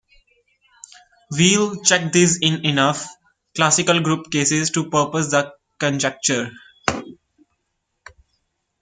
Weil checked this in enough classical group cases to propose the conjecture.